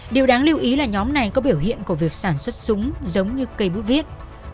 điều đáng lưu ý là nhóm này có biểu hiện của việc sản xuất súng giống như cây bút viết